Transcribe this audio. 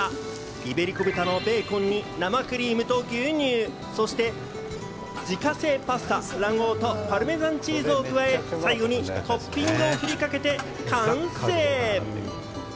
イベリコ豚のベーコンに生クリームと牛乳、そして自家製パスタ、卵黄とパルメザンチーズを加え、最後にトッピングをふりかけて、完成！